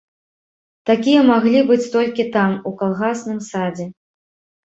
Такія маглі быць толькі там, у калгасным садзе!